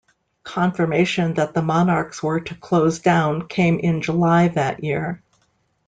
Confirmation that the Monarchs were to close down came in July that year.